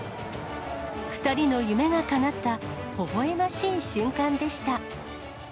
２人の夢がかなったほほえましい瞬間でした。